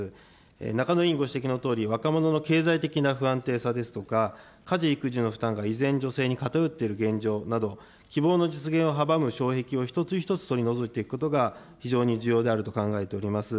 中野委員ご指摘のとおり、若者の経済的な不安定さですとか、家事育児の負担がいまだ女性に偏っている現状など、希望の実現を阻む障壁を一つ一つ取り除いていくことが非常に重要であると考えております。